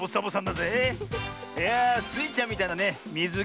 いやあスイちゃんみたいなねみず